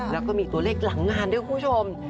แล้วก็มีตัวเลขหลังงานด้วยคุณผู้ชม